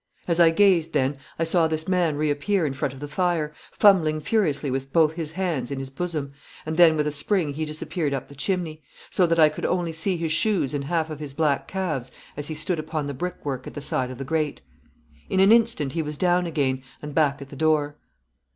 As I gazed then I saw this man reappear in front of the fire, fumbling furiously with both his hands in his bosom, and then with a spring he disappeared up the chimney, so that I could only see his shoes and half of his black calves as he stood upon the brickwork at the side of the grate. In an instant he was down again and back at the door.